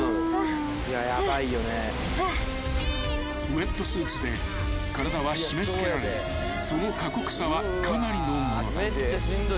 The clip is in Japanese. ［ウエットスーツで体は締め付けられその過酷さはかなりのものだ］